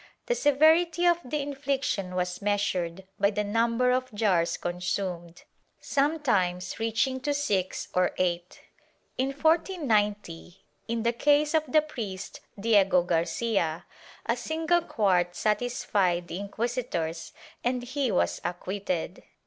The severity of the infliction was measured by the number of jars consumed, sometimes reaching to six or eight. In 1490, in the case of the priest Diego Garcia, a single quart satisfied the inquisitors and he was acquitted.